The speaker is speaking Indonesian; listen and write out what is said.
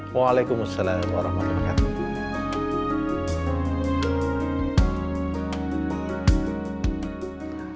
waalaikumsalam warahmatullahi wabarakatuh